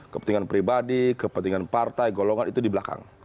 kepentingan pribadi kepentingan partai golongan itu di belakang